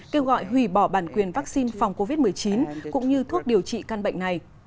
kêu gọi hủy bỏ bản quyền vaccine phòng covid một mươi chín cũng như thuốc điều trị căn bệnh này